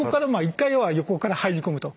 １回は横から入り込むと。